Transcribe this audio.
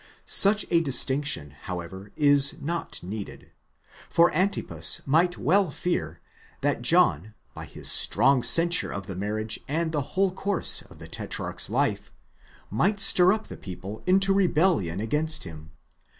© Such a distinction, however, is not needed; for Antipas might well fear, that John, by his strong censure of the marriage and the whole course of the tetrarch's life, might stir up the people into rebellion against him.